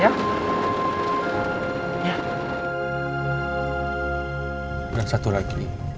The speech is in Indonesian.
saya minta maaf kalau saya melarang kamu ketemu lydia